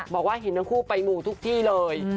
บอกว่าเห็นทั้งคู่ไปหมู่ทุกที่เลย